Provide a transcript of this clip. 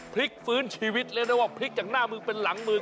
พลิกฟื้นชีวิตเรียกได้ว่าพลิกจากหน้ามือเป็นหลังมือ